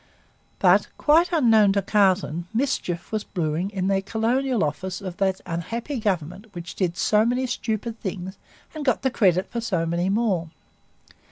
But, quite unknown to Carleton, mischief was brewing in the Colonial Office of that unhappy government which did so many stupid things and got the credit for so many more.